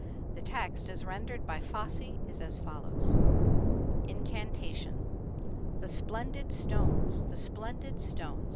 The text, as rendered by Fossey, is as follows: Incantation. The splendid stones! The splendid stones!